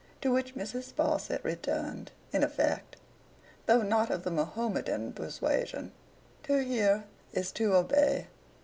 To which Mrs. Sparsit returned, in effect, though not of the Mahomedan persuasion: 'To hear is to obey.